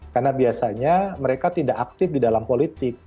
karena biasanya mereka tidak aktif di dalam politik